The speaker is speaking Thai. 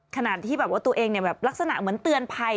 ขนาดที่ตัวเองลักษณะเหมือนเตือนภัย